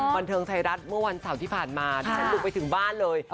บันเทิงไทยรัฐเมื่อวันเสาร์ที่ผ่านมาดิฉันบุกไปถึงบ้านเลย